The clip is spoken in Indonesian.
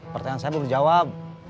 pertanyaan saya belum dijawab